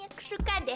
aku suka deh